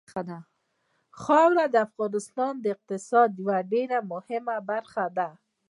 خاوره د افغانستان د اقتصاد یوه ډېره مهمه برخه ده.